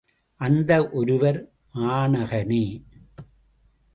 அந்த ஒருவர் மாணகனே!